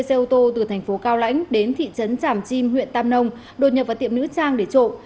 xe ô tô từ thành phố cao lãnh đến thị trấn tràm chim huyện tam nông đột nhập vào tiệm nữ trang để trộm